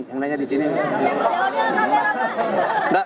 yang jawabnya kamera pak